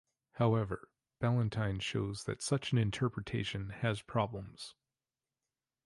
However, Ballentine shows that such an interpretation has problems.